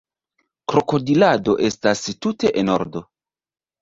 Krokodilado estas tute enordo